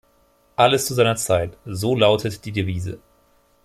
Alles zu seiner Zeit, so lautet die Devise.